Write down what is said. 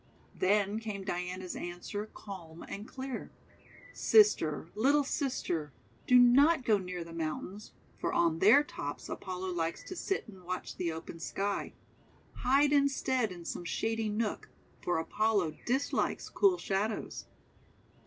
Then came Diana's answer calm and clear: — <l Sister, little Sister, do not go near the moun tains, for on their tops Apollo likes to sit and watch the open sky. Hide, instead, in some shady nook, for Apollo dislikes cool shadows."